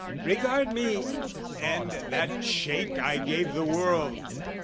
"Regard me and that shake I gave the world!